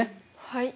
はい。